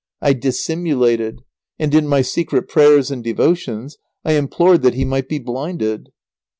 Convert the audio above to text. I dissimulated, and, in my secret prayers and devotions, I implored that he might be blinded.